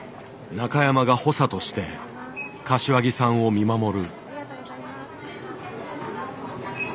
中山が補佐として柏木さんを見守る。